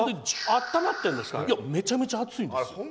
めちゃめちゃ熱いんですよ。